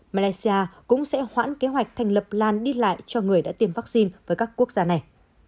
malaysia cũng sẽ hoãn kế hoạch thành lập lan đi lại cho người đã tiêm vaccine với các quốc gia này